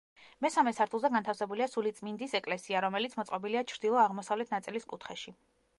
მესამე სართულზე განთავსებულია სულიწმინდის ეკლესია, რომელიც მოწყობილია ჩრდილო-აღმოსავლეთ ნაწილის კუთხეში.